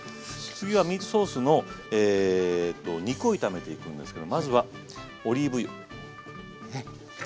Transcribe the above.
次はミートソースの肉を炒めていくんですけどまずはオリーブ油。